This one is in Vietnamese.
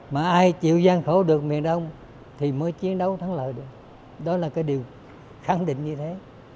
mà ai chịu gian khổ được miền đông thì mới chiến đấu thắng lợi được đó là cái điều khẳng định như thế